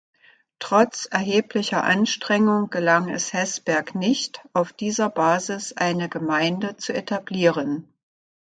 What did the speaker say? Trotz erheblicher Anstrengung gelang es Heßberg nicht, auf dieser Basis eine Gemeinde zu etablieren.